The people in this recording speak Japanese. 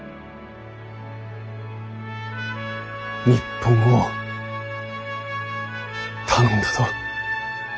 日本を頼んだど。